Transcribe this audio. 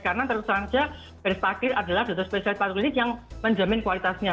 karena tentu saja beris patir adalah data spesialis patrik yang menjamin kualitasnya